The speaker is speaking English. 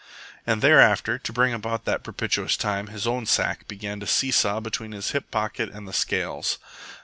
And thereafter, to bring about that propitious time, his own sack began to see saw between his hip pocket and the scales.